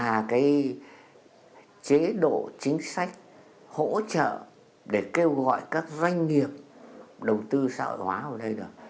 và cái chế độ chính sách hỗ trợ để kêu gọi các doanh nghiệp đầu tư xã hội hóa vào đây được